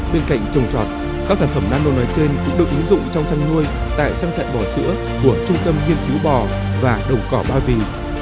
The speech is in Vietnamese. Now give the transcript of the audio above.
bên cạnh trồng trọt các sản phẩm nano nói trên cũng được ứng dụng trong chăn nuôi tại trang trại bò sữa của trung tâm nghiên cứu bò và đồng cỏ ba vì